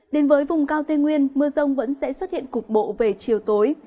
đến với vùng cao tây nguyên mưa rông vẫn sẽ xuất hiện cục bộ về chiều tối